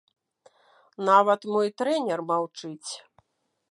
Нават мой трэнер маўчыць.